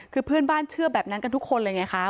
คือเพื่อนบ้านเชื่อแบบนั้นกันทุกคนเลยไงคะ